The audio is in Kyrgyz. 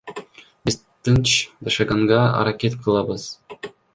Биз тынч жашаганга аракет кылабыз.